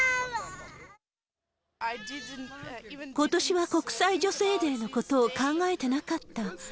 ことしは国際女性デーのことを考えてなかった。